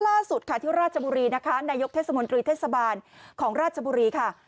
ล่าสุดค่ะที่ราชบุรีนะคะนายกเทศมนตรีเทศบาลของราชบุรีค่ะ